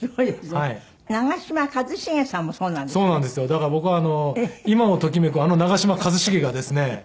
だから僕は今をときめくあの長嶋一茂がですね。